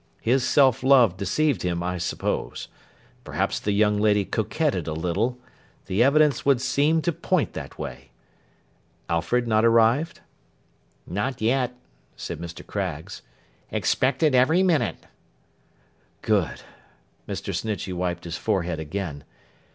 His self love deceived him, I suppose. Perhaps the young lady coquetted a little. The evidence would seem to point that way. Alfred not arrived?' 'Not yet,' said Mr. Craggs. 'Expected every minute.' 'Good.' Mr. Snitchey wiped his forehead again.